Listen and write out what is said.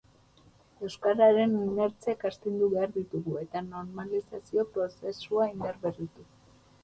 Euskararen inertziak astindu behar ditugu, eta normalizazio prozesua indarberritu.